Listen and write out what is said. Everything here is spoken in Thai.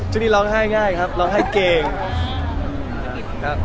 พี่พอร์ตทานสาวใหม่พี่พอร์ตทานสาวใหม่